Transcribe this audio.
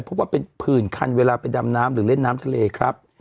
เพราะว่าเป็นผื่นคันเวลาไปดำน้ำหรือเล่นน้ำทะเลครับ